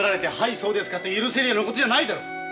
そうですかと許せるようなことじゃないだろ。